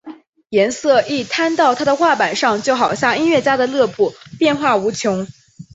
颜色一摊到他的画板上就好像音乐家的乐谱变化无穷！